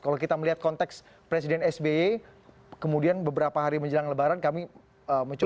kalau kita melihat konteks presiden sby kemudian beberapa hari menjelang lebaran kami mencoba